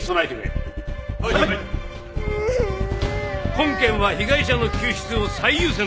本件は被害者の救出を最優先とする。